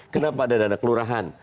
kenapa ada dana kelurahan